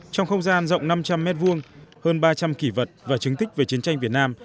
trong không gian rộng năm trăm linh m hai hơn ba trăm linh kỷ vật và chứng tích về chiến tranh việt nam